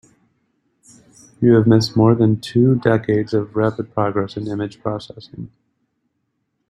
You have missed more than two decades of rapid progress in image processing.